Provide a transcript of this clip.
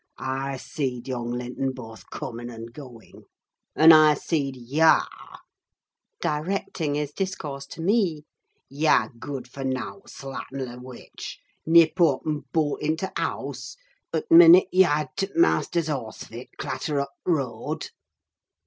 —I seed young Linton boath coming and going, and I seed yah" (directing his discourse to me), "yah gooid fur nowt, slattenly witch! nip up and bolt into th' house, t' minute yah heard t' maister's horse fit clatter up t' road."